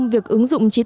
việc ứng dụng trí tuệ